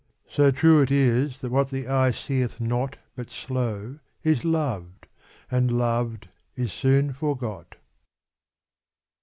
So true it is that what the eye seeth not But slow is loved and loved is soon forgot.